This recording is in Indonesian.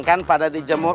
kan pada dijemur